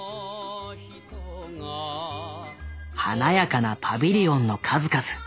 華やかなパビリオンの数々。